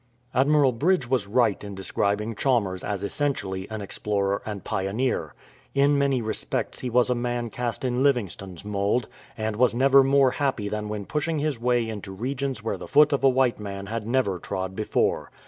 Admiral Bridge was right in describing Chalmers as essentially an explorer and pioneer. In many respects he was a man cast in Livingstone's mould, and was never more happy than when pushing his way into regions where the foot of a white man had never trod before.